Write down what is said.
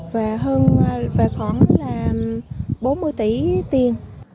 và khoảng bốn mươi tỷ tiền